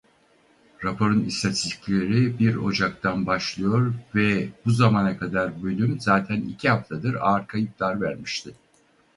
Raporun istatistikleri bir Ocak'tan başlıyor ve bu zamana kadar bölüm zaten iki haftadır ağır kayıplar vermişti.